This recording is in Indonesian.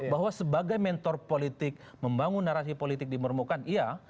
bahwa sebagai mentor politik membangun narasi politik di mermukan iya